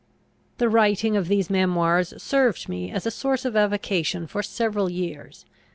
The writing of these memoirs served me as a source of avocation for several years.